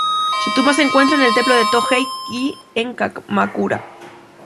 Su tumba se encuentra en el templo de Tōkei-ji en Kamakura.